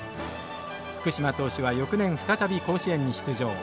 福嶋投手は翌年再び甲子園に出場。